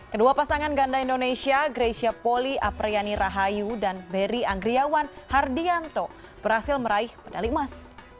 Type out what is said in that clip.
kedua pasangan ganda indonesia greysia poli apriani rahayu dan beri anggriawan hardianto berhasil meraih medali emas